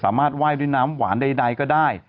สามารถว่ายด้วยน้ำหวานใดก็ได้